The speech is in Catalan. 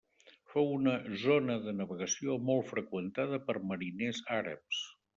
Fou una zona de navegació molt freqüentada per mariners àrabs.